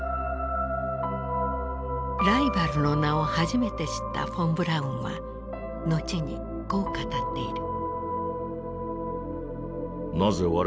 ライバルの名を初めて知ったフォン・ブラウンは後にこう語っている。